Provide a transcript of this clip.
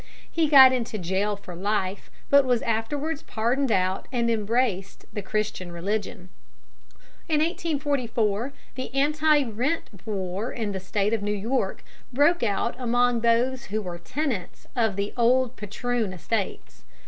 He got into jail for life, but was afterwards pardoned out and embraced the Christian religion. In 1844 the Anti Rent War in the State of New York broke out among those who were tenants of the old "Patroon Estates."